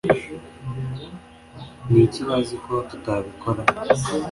Ni iki bazi ko tutabikora